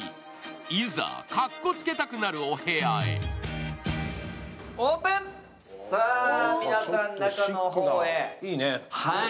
いざ、かっこつけたくなるお部屋へさぁ皆さん、中の方へ。